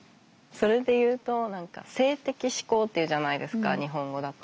それでいうと何か「性的指向」っていうじゃないですか日本語だと。